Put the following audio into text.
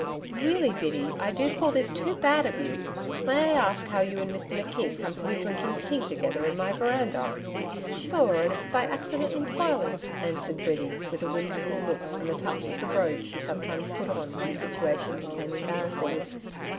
'Really, Biddy, I do call this too bad of you. May I ask how you and Mr McKeith come to be drinking tea together in my veranda?' 'Sure, and it's by accident intoirely,' answered Biddy, with a whimsical look and the touch of the brogue she sometimes put on when a situation became embarrassing.